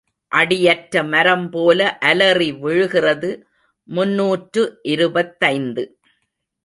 அடி அற்ற மரம்போல அலறி விழுகிறது முன்னூற்று இருபத்தைந்து